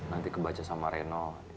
nanti kebaca sama reno